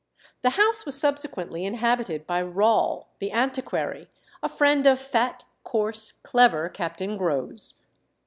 The house was subsequently inhabited by Rawle, the antiquary, a friend of fat, coarse, clever Captain Grose.